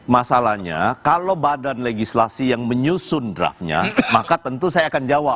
masalahnya kalau badan legislasi yang menyusun draftnya maka tentu saya akan jawab